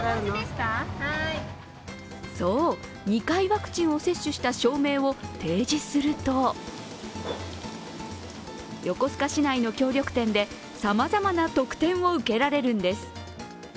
そう、２回ワクチンを接種した証明を提示すると横須賀市内の協力店でさまざまな特典を受けられるんです。